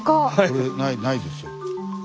これないですよ。